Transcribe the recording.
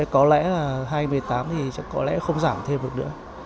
có lẽ là hai nghìn một mươi tám thì có lẽ không giảm thêm được nữa